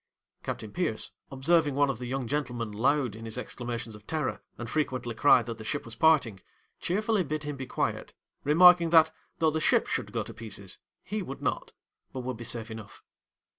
Captain Pierce, observing one of the young gentlemen loud in his exclamations of terror, and frequently cry that the ship was parting, cheerfully bid him be quiet, remarking that though the ship should go to pieces, he would not, but would be safe enough.